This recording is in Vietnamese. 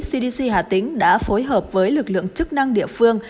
cdc hà tĩnh đã phối hợp với lực lượng chức năng địa phương